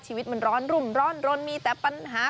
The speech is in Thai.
ชีวิตมันร้อนรุ่มร้อนรนมีแต่ปัญหา